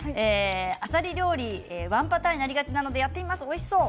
あさり料理、ワンパターンになりがちなのでやってみますとおいしそう。